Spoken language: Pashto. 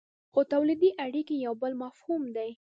خو تولیدي اړیکې یو بل مفهوم دی.